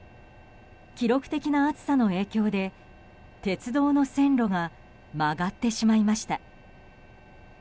記録的な暑さの影響で鉄道の線路が曲がってしまいました。